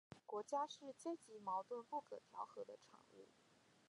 国家是阶级矛盾不可调和的产物